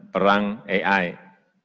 persaingan dalam menguasai ai sudah